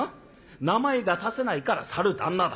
名前が指せないからさる旦那だ。